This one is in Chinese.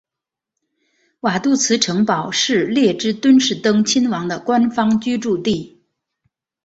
瓦杜茨城堡是列支敦士登亲王的官方居住地。